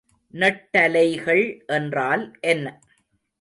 நெட்டலைகள் என்றால் என்ன?